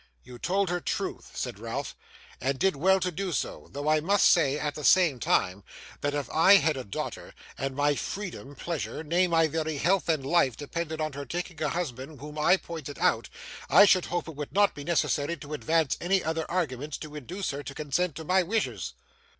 'You told her truth,' said Ralph, 'and did well to do so; though I must say, at the same time, that if I had a daughter, and my freedom, pleasure, nay, my very health and life, depended on her taking a husband whom I pointed out, I should hope it would not be necessary to advance any other arguments to induce her to consent to my wishes.